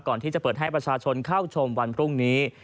ก่อนที่จะเปิดให้ประชาชนเข้าชมวันพรุ่งนี้